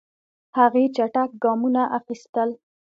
هغې چټک ګامونه اخیستل.